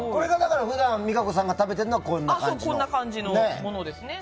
普段、実可子さんが食べてるのはこんな感じですね。